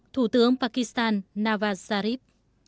thủ tướng pakistan nawaz zarif